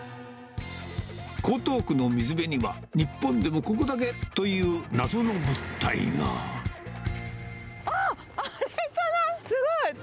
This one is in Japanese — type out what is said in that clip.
江東区の水辺には、日本でもここだけという、あー、あれかな、すごい。